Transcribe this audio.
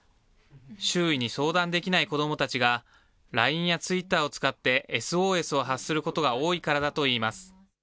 周囲に相談できない子どもたちが、ＬＩＮＥやツイッターを使って、ＳＯＳを発することが多いからだといいます。